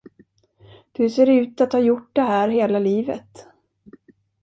Du ser ut att ha gjort det här hela livet.